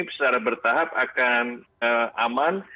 secara bertahap akan aman